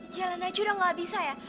jalan naik juga gak bisa ya